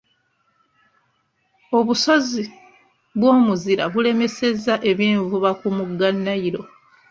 Obusozi bw'omuzira bulemesezza eby'envuba ku mugga Nile.